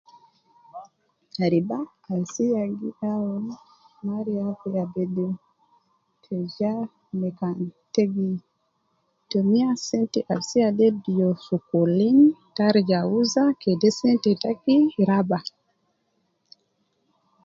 Riba kan siya gi aun mariya fi rua gedim tijar me kan tegi tumiya sente ab siya de biyo sokolin te arija wuza kede sente taki raba